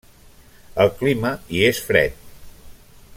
El clima hi és fred.